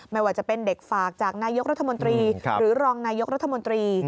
ไม่ว่าจะเป็นเด็กฝากจากนายกรัฐมนตรีหรือรองนายกรัฐมนตรี